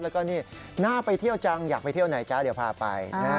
แล้วก็นี่น่าไปเที่ยวจังอยากไปเที่ยวไหนจ๊ะเดี๋ยวพาไป